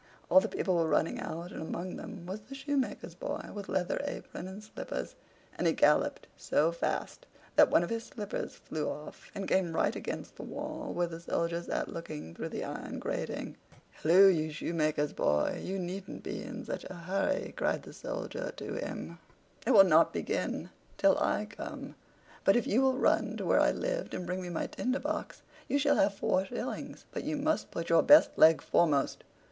All the people were running out, and among them was the shoemaker's boy with leather apron and slippers, and he galloped so fast that one of his slippers flew off, and came right against the wall where the Soldier sat looking through the iron grating. "Halloo, you shoemaker's boy! you needn't be in such a hurry," cried the Soldier to him: "it will not begin till I come. But if you will run to where I lived and bring me my Tinder box, you shall have four shillings: but you must put your best leg foremost."